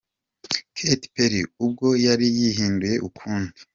Katy Perry ubwo yari yihinduye ukundi.